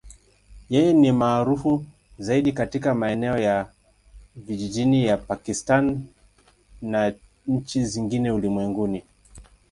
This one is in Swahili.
Yeye ni maarufu zaidi katika maeneo ya vijijini ya Pakistan na nchi zingine ulimwenguni.